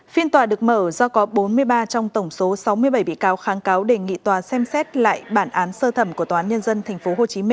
phiên tòa được mở do có bốn mươi ba trong tổng số sáu mươi bảy bị cáo kháng cáo đề nghị tòa xem xét lại bản án sơ thẩm của tòa án nhân dân tp hcm